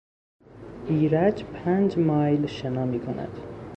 ایرج پنج مایل شنا میکند.